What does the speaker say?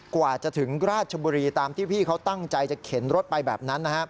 กว่าจะถึงราชบุรีตามที่พี่เขาตั้งใจจะเข็นรถไปแบบนั้นนะครับ